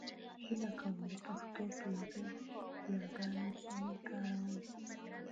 هيله کوم د پښتو پنځه يېګانې سمې کاروئ !